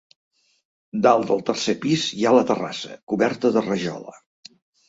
Dalt del tercer pis hi ha la terrassa, coberta de rajola.